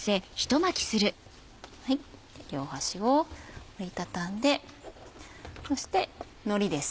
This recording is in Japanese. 両端を折り畳んでそしてのりです。